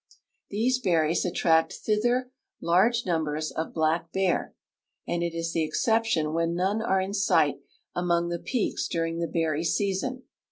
These berries attract thither large num bers of black bear, and it is the exception when none are in sight among the peaks during the beriy season.